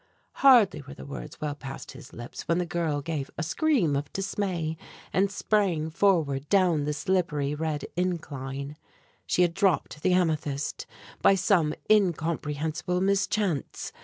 Hardly were the words well past his lips when the girl gave a scream of dismay, and sprang forward down the slippery red incline. She had dropped the amethyst, by some incomprehensible mischance.